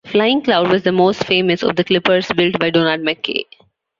"Flying Cloud" was the most famous of the clippers built by Donald McKay.